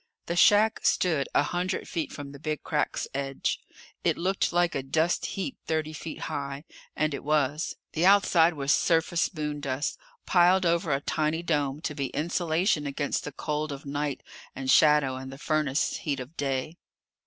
The shack stood a hundred feet from the Big Crack's edge. It looked like a dust heap thirty feet high, and it was. The outside was surface moondust, piled over a tiny dome to be insulation against the cold of night and shadow and the furnace heat of day.